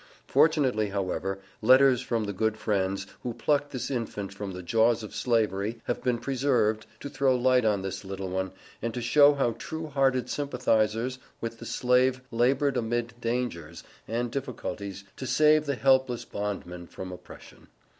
Fortunately, however, letters from the good friends, who plucked this infant from the jaws of Slavery, have been preserved to throw light on this little one, and to show how true hearted sympathizers with the Slave labored amid dangers and difficulties to save the helpless bondman from oppression.